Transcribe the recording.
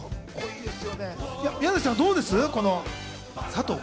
宮崎さん、どうですか？